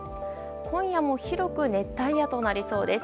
今夜も広く熱帯夜となりそうです。